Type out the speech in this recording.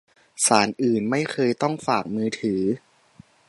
ศาลอื่นไม่เคยต้องฝากมือถือ